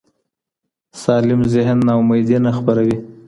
سالم ذهن ناامیدي نه خپروي.